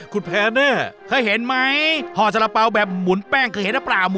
คุณแพ้แน่ให้เห็นไหมห่อสะระเป๋าแบบหมุนแป้งเห็นหรือเปล่า